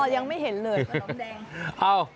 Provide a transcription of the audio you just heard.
ยังไม่เห็นเลย